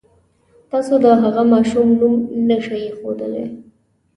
تاسو د هغه ماشوم نوم نه شئ اېښودلی.